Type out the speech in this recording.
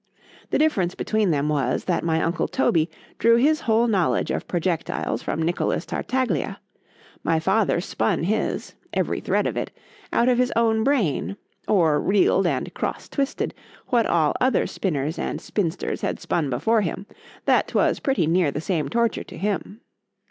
—The difference between them was, that my uncle Toby drew his whole knowledge of projectils from Nicholas Tartaglia—My father spun his, every thread of it, out of his own brain,—or reeled and cross twisted what all other spinners and spinsters had spun before him, that 'twas pretty near the same torture to him.